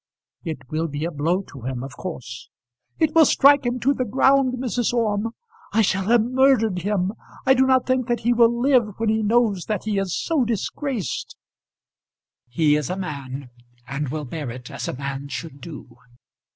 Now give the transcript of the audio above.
"It will be a blow to him, of course." "It will strike him to the ground, Mrs. Orme. I shall have murdered him. I do not think that he will live when he knows that he is so disgraced." "He is a man, and will bear it as a man should do.